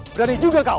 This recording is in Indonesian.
berani juga kau